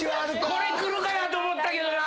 これくるかなと思ったけどな。